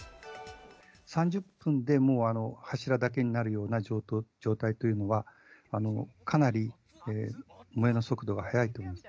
３０分で、もう柱だけになる状態っていうのは、かなり燃える速度が速いと思います。